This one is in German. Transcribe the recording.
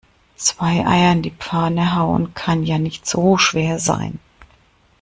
Zwei Eier in die Pfanne hauen kann ja nicht so schwer sein.